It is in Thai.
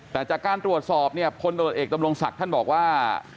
แต่จากการตรวจสอบเนี่ยพลตรวจเอกดำรงศักดิ์ท่านบอกว่า